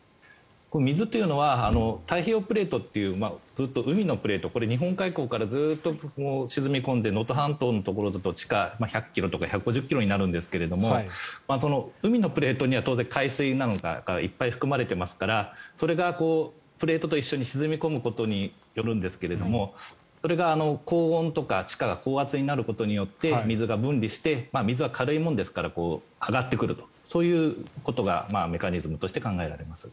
水というのは太平洋プレートという海のプレート日本海溝からずっと沈み込んで能登半島のところでは地下１００ｋｍとか１５０ｋｍになるんですが海のプレートには当然海水がたくさん含まれていますからそれがプレートと一緒に沈み込むことによるんですけどそれが高温とか地下が高圧になることによって水が分離して水は軽いものですから上がってくるとそういうことがメカニズムとして考えられます。